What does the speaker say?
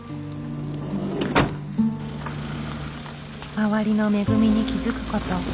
周りの恵みに気付くこと。